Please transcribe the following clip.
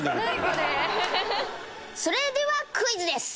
「それではクイズです」